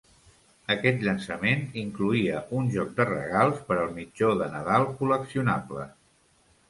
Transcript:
Aquest llançament incloïa un joc de regals per al mitjó de nadal col·leccionables.